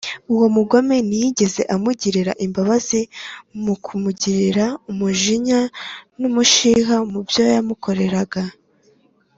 uwo mugome ntiyigeze amugirira imbabazi mu kumugirira umujinya n’umushiha mu byo yamukoreraga